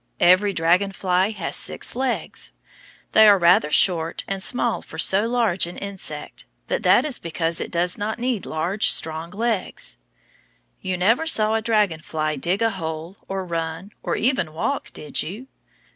Every dragon fly has six legs. They are rather short and small for so large an insect, but that is because it does not need large, strong legs. You never saw a dragon fly dig a hole, or run, or even walk, did you?